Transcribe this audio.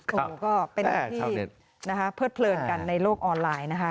โอ้โหก็เป็นที่นะคะเพิดเพลินกันในโลกออนไลน์นะคะ